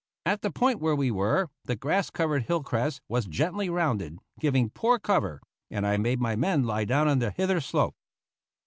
At the point where we were, the grass covered hill crest was gently rounded, giving poor cover, and I made my men lie down on the hither slope.